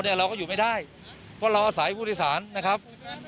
เราก็อยู่ไม่ได้เพราะเราอาศัยผู้โดยสารนะครับ